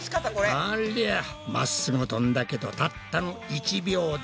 ありゃ真っ直ぐ飛んだけどたったの１秒だ。